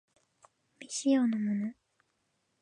未使用のもの